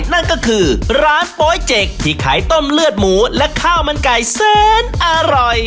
นั่นก็คือร้านโป๊ยเจกที่ขายต้มเลือดหมูและข้าวมันไก่แสนอร่อย